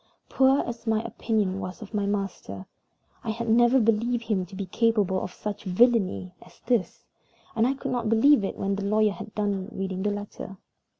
Poor as my opinion was of my master, I had never believed him to be capable of such villainy as this, and I could not believe it when the lawyer had done reading the letter.